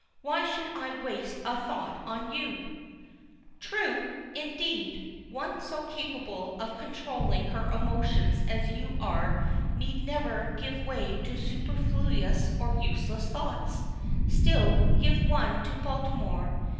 "Why should I waste a thought on you?" "True! Why indeed! One so capable of controlling her emotions as you are need never give way to superfluous or useless thoughts. Still, give one to Baltimore.